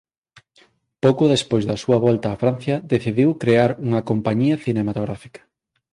Pouco despois da súa volta a Francia decidiu crear unha compañía cinematográfica.